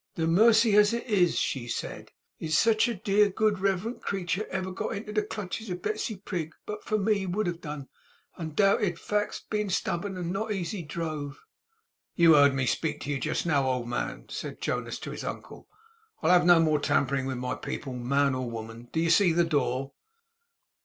'The mercy as it is!' she said, 'as sech a dear, good, reverend creetur never got into the clutches of Betsey Prig, which but for me he would have done, undoubted; facts bein' stubborn and not easy drove!' 'You heard me speak to you just now, old man,' said Jonas to his uncle. 'I'll have no more tampering with my people, man or woman. Do you see the door?